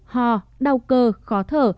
ho đau cơ khó thở